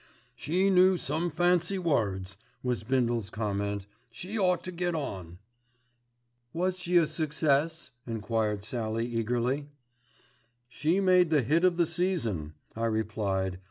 "She knew some fancy words," was Bindle's comment. "She ought to get on." "Was she a success?" enquired Sallie eagerly. "She made the hit of the season," I replied.